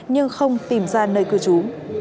nhưng không tìm ra nơi cư trú